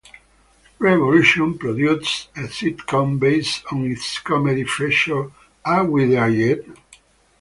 Revolution produced a sitcom based on its comedy feature Are We There Yet?